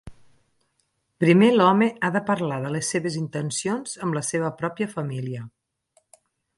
Primer l'home ha de parlar de les seves intencions amb la seva pròpia família.